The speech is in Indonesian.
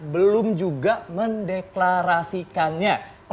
belum juga mendeklarasikannya